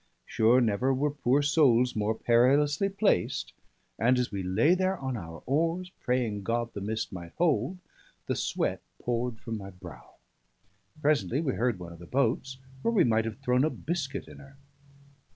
Sure, never were poor souls more perilously placed; and as we lay there on our oars, praying God the mist might hold, the sweat poured from my brow. Presently we heard one of the boats where we might have thrown a biscuit in her.